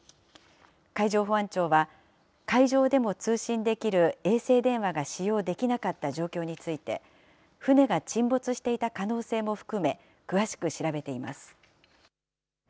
海上保安庁は、海上でも通信できる衛星電話が使用できなかった状況について、船が沈没していた可能性も含め、詳しく調べています。